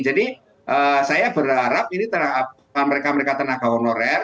jadi saya berharap ini mereka mereka tenaga honorer